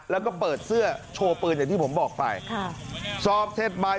เขาเล่าบอกว่าเขากับเพื่อนเนี่ยที่เรียนกรสนด้วยกันเนี่ยไปสอบที่โรงเรียนปลูกแดงใช่ไหม